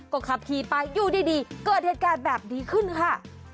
ก็ขับขี่ไปอยู่ดีเกิดเหตุการณ์แบบนี้ขึ้นค่ะ